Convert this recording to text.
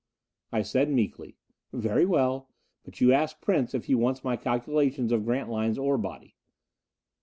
I said meekly, "Very well. But you ask Prince if he wants my calculations of Grantline's ore body."